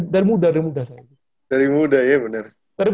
dari muda ya bener